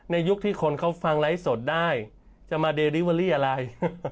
ยุคที่คนเขาฟังไลฟ์สดได้จะมาเดริเวอรี่อะไร